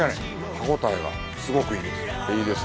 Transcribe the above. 歯応えがすごくいいです。